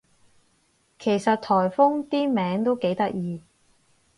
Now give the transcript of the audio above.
其實颱風啲名都幾得意